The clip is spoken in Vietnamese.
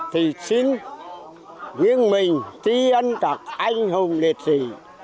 thì xin nguyên mình tiến các anh hùng liệt sĩ